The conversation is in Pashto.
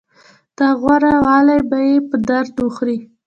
دغه غوره والی به يې په درد وخوري.